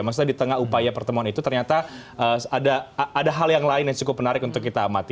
maksudnya di tengah upaya pertemuan itu ternyata ada hal yang lain yang cukup menarik untuk kita amati